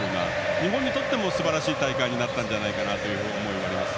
日本にとってもすばらしい大会になったという思いがあります。